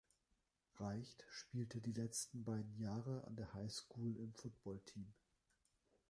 Reicht spielte die letzten beiden Jahre an der High School im Footballteam.